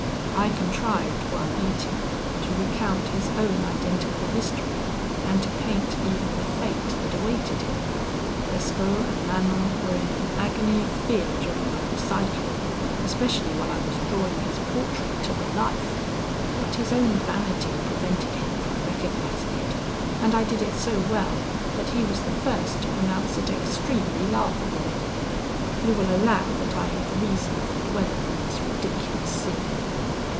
I contrived, while eating, to recount his own identical history, and to paint even the fate that awaited him. Lescaut and Manon were in an agony of fear during my recital, especially while I was drawing his portrait to the life: but his own vanity prevented him from recognising it, and I did it so well that he was the first to pronounce it extremely laughable. You will allow that I had reason for dwelling on this ridiculous scene.